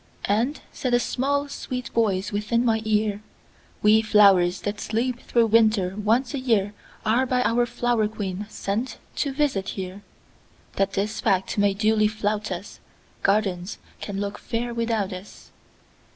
And said a small, sweet voice within my ear:"We flowers, that sleep through winter, once a yearAre by our flower queen sent to visit here, That this fact may duly flout us,—Gardens can look fair without us.